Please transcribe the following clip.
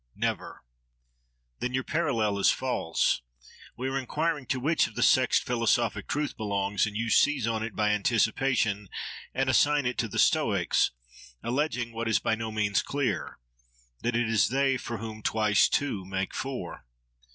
Never! Then your parallel is false. We are inquiring to which of the sects philosophic truth belongs, and you seize on it by anticipation, and assign it to the Stoics, alleging, what is by no means clear, that it is they for whom twice two make four.